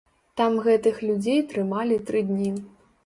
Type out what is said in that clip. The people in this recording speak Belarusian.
Там гэтых людзей трымалі тры дні.